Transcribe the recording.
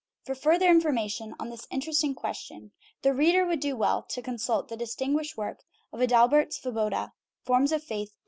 For further information on this interesting question the reader would do well to consult the distinguished work of Adalbert Svoboda, Forms of Faith (1897).